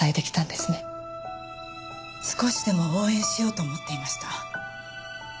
少しでも応援しようと思っていました。